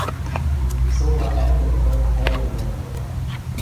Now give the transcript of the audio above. Сылва ӓнгӹр кырык тӓйӹл доно йога